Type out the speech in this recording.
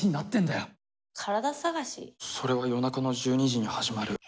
それは夜中の１２時に始まる。